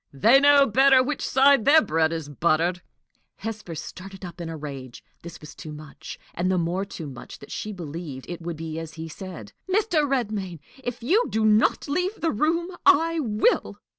They know better which side their bread is buttered." Hesper started up in a rage. This was too much and the more too much, that she believed it would be as he said. "Mr. Redmain, if you do not leave the room, I will."